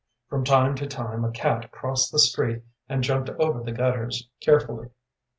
From time to time a cat crossed the street and jumped over the gutters carefully.